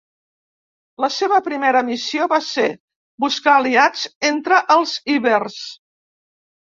La seva primera missió va ser buscar aliats entre els ibers.